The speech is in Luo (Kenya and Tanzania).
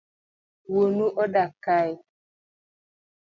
Wuonu odak kae?